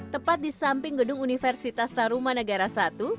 tepat di samping gedung universitas taruman negara i